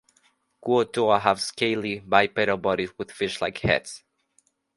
Kuo-toa have scaly, bipedal bodies with fish-like heads.